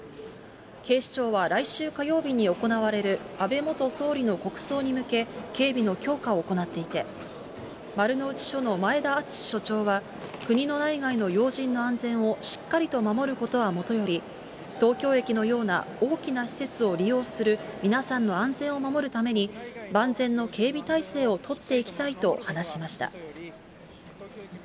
警視庁は来週火曜日に行われる安倍元総理の国葬に向け、警備の強化を行っていて、丸の内署の前田敦署長は、国の内外の要人の安全をしっかりと守ることはもとより、東京駅のような大きな施設を利用する皆さんの安全を守るために万全の警備体制を取っていきたいと話しました。